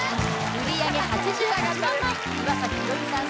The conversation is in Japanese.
売り上げ８８万枚岩崎宏美さん